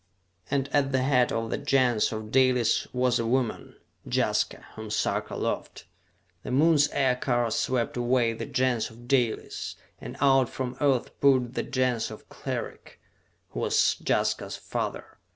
And at the head of the Gens of Dalis was a woman, Jaska, whom Sarka loved. The Moon's aircars swept away the Gens of Dalis, and out from Earth poured the Gens of Cleric, who was Jaska's father.